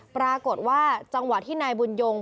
ปรากฏว่าจังหวะที่นายบุญยง